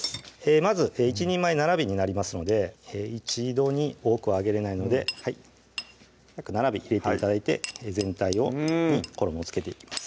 まず１人前７尾になりますので一度に多く揚げれないので約７尾入れて頂いて全体に衣を付けていきます